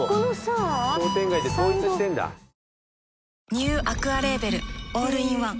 ニューアクアレーベルオールインワン